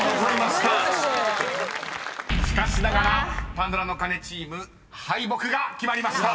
［しかしながらパンドラの鐘チーム敗北が決まりました］